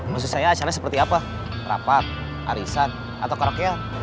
maksud saya acaranya seperti apa rapat arisan atau karokel